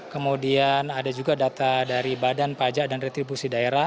kemudian ada juga data dari badan pajak dan retribusi daerah